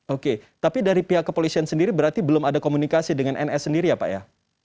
oke tapi dari pihak kepolisian sendiri berarti belum ada komunikasi dengan ns sendiri ya pak ya